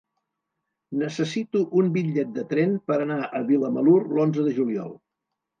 Necessito un bitllet de tren per anar a Vilamalur l'onze de juliol.